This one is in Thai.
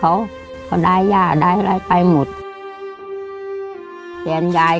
หลานก็ทำไม่ได้หลานก็ทำไม่ได้ต้องทำเลี้ยงคนเดียว